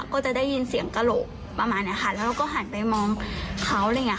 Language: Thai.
ก็จะได้ยินเสียงกระโหลกประมาณเนี้ยค่ะแล้วเราก็หันไปมองเขาอะไรอย่างเงี้